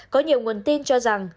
có nhiều nguồn tin cho rằng